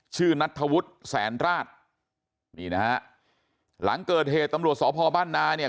นัทธวุฒิแสนราชนี่นะฮะหลังเกิดเหตุตำรวจสพบ้านนาเนี่ย